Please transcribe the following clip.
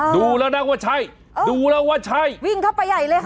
ดูแล้วนะว่าใช่ดูแล้วว่าใช่วิ่งเข้าไปใหญ่เลยค่ะ